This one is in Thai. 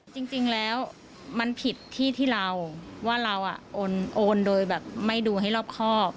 จริงแล้วมันผิดที่ที่เราว่าเราโอนโดยแบบไม่ดูให้รอบครอบ